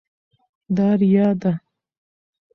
دا ریا ده.